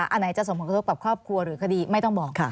อันไหนจะส่งผลกระทบกับครอบครัวหรือคดีไม่ต้องบอก